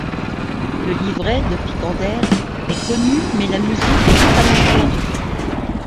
Le livret, de Picander, est connu mais la musique est totalement perdue.